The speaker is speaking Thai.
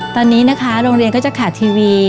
ตอนนี้นะคะโรงเรียนก็จะขาดทีวี